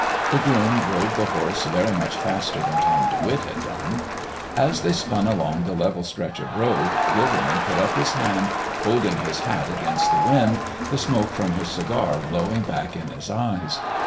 The groom drove the horse very much faster than Tom De Witt had done. As they spun along the level stretch of road, Gilderman put up his hand, holding his hat against the wind, the smoke from his cigar blowing back in his eyes.